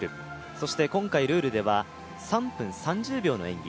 そして、今回ルールでは３分３０秒の演技。